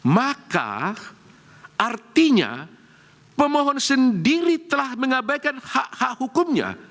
maka artinya pemohon sendiri telah mengabaikan hak hak hukumnya